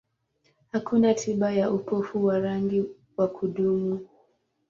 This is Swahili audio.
Hakuna tiba ya upofu wa rangi wa kudumu.